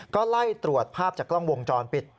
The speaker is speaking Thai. ก็ไล่ตรวจภาพจากกล้องวงจรปิด